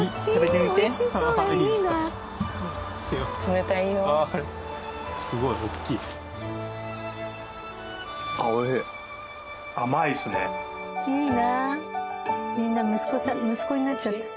みんな息子になっちゃった。